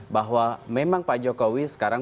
bahwa memang pak jokowi sekarang